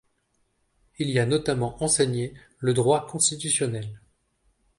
Il y a notamment enseigné le droit constitutionnel.